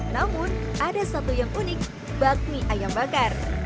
namun ada satu yang unik bakmi ayam bakar